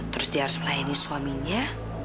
terus dia harus melayani suaminya